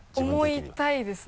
思いたいですね。